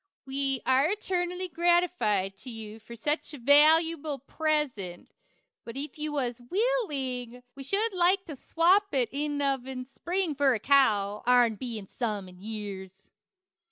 We air etarnally gratified to You for sech a Valewble Pressent, but if you was Wiling we shood Like to swapp it of in spring fur a kow, ourn Being some in years.